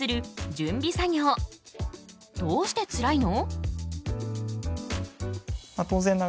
どうしてつらいの？